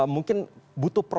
mungkin butuh prosesnya